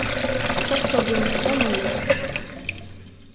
Шып шогем, мом ойлет?